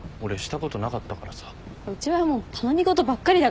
うちはもう頼み事ばっかりだから。